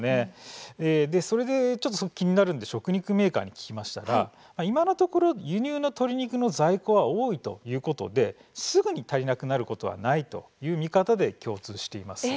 それでちょっと気になるので食肉メーカーに聞きましたら今のところ輸入の鶏肉の在庫は多いということですぐに足りなくなることはないという見方で共通しています。